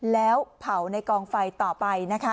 แล้วเผาในกองไฟต่อไปนะคะ